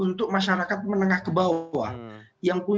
untuk masyarakat menengah ke bawah